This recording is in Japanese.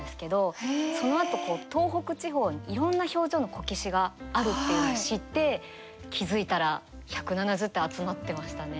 そのあと東北地方にいろんな表情のこけしがあるっていうのを知って気付いたら１７０体集まってましたね。